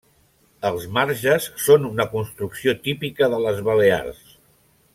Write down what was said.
Els marges són una construcció típica de les Balears.